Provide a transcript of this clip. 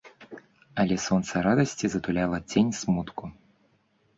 Але сонца радасці затуляла цень смутку.